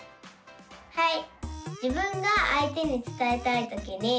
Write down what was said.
はい。